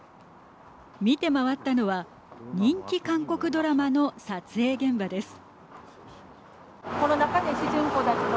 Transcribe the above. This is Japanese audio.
見て回ったのは人気韓国ドラマの撮影現場です。